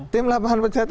tim lapangan pejahatan